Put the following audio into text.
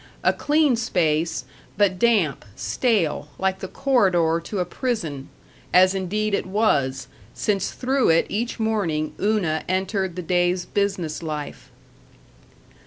A clean space, but damp, stale, like the corridor to a prison as indeed it was, since through it each morning Una entered the day's business life.